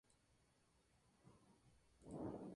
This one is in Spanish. Según Judd "et al.